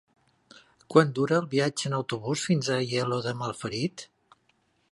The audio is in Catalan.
Quant dura el viatge en autobús fins a Aielo de Malferit?